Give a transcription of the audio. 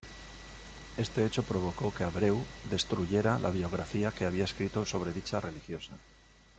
Este hecho provocó que Abreu destruyera la biografía que había escrito sobre dicha religiosa.